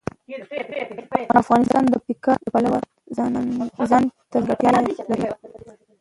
افغانستان د پکتیکا د پلوه ځانته ځانګړتیا لري.